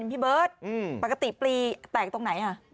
พี่เบิร์ตปกติปลีแตกตรงไหนค่ะ